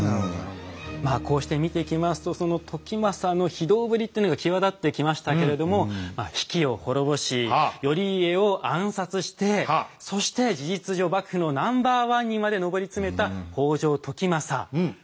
こうして見ていきますとその時政の非道ぶりっていうのが際立ってきましたけれども比企を滅ぼし頼家を暗殺してそして事実上幕府のナンバーワンにまで上り詰めた北条時政なんですけれども。